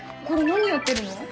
これ何やってるの？